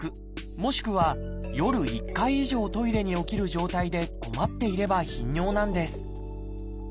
もしくは夜１回以上トイレに起きる状態で困っていれば頻尿なんです。